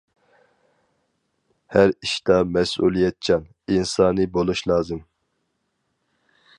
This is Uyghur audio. ھەر ئىشتا مەسئۇلىيەتچان، ئىنسانىي بولۇش لازىم.